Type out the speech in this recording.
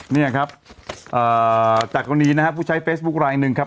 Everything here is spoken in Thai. เนี่ยครับจากตรงนี้นะฮะผู้ใช้เฟซบุ๊คลายอีกหนึ่งครับ